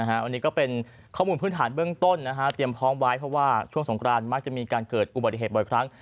อันนี้ก็เป็นข้อมูลพื้นฐานเบื้องต้นเตรียมพร้อมไว้เพราะว่าช่วงสงครานมักจะมีการเกิดอุบัติเหตุบ่อยครั้ง